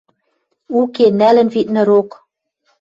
Уке, нӓлӹн, видны, рок...